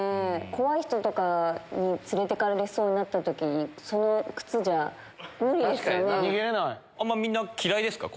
怖い人とかに連れてかれそうになった時その靴じゃ無理ですよね。